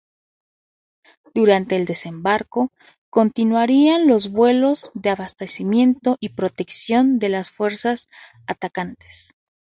Durante el desembarco continuarían los vuelos de abastecimiento y protección de las fuerzas atacantes.